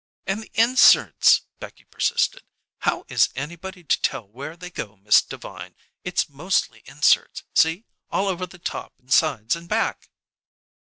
"And the inserts," Becky persisted. "How is anybody to tell where they go, Miss Devine? It's mostly inserts; see, all over the top and sides and back."